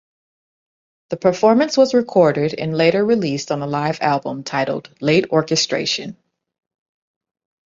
The performance was recorded and later released on a live album titled "Late Orchestration".